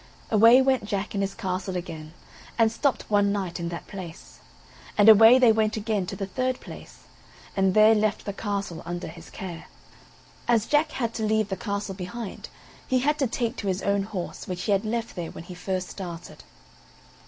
Away went Jack and his castle again, and stopped one night in that place; and away they went again to the third place, and there left the castle under his care. As Jack had to leave the castle behind, he had to take to his own horse, which he left there when he first started.